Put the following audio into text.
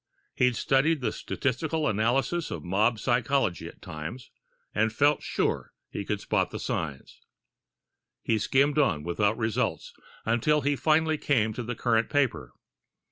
He'd studied the statistical analysis of mob psychology at times, and felt sure he could spot the signs. He skimmed on, without results, until he finally came to the current paper.